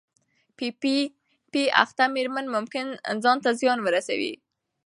پی پي پي اخته مېرمنې ممکن ځان ته زیان ورسوي.